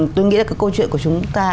tôi nghĩ là cái câu chuyện của chúng ta